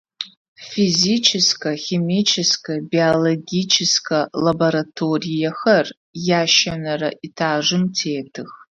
Физическэ, химическэ, биологическэ лабораториехэр ящэнэрэ этажым тетых.